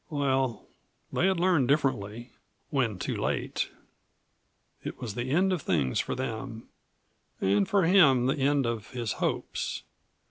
Well, they had learned differently, when too late. It was the end of things for them, and for him the end of his hopes.